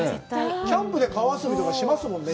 キャンプで川遊びとかしますもんね。